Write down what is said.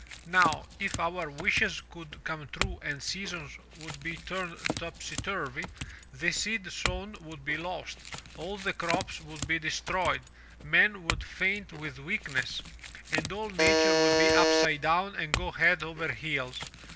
Now, if our wishes could come true the seasons would be turned topsy turvy, the seed sown would be lost, all the crops would be destroyed, men would faint with weakness, and all nature would be upside down and go head over heels.